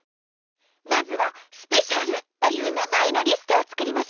まずは「スペシャル」という名前のリストを作りましょう。